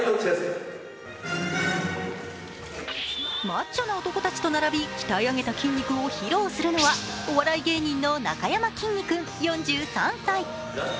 マッチョな男たちと並び鍛え上げた筋肉を披露するのはお笑い芸人のなかやまきんに君４３歳。